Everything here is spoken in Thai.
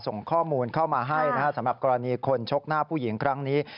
ส่งข้อมูลเข้ามาให้นะครับสำหรับกรณีคนชกหน้าผู้หญิงครั้งนี้